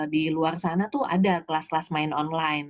di luar sana tuh ada kelas kelas main online